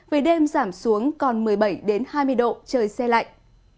về đêm giảm xuống còn một mươi bảy hai mươi độ trời xe lạnh